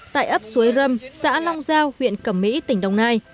tại ấp suối râm xã long giao huyện cẩm mỹ tỉnh đồng nai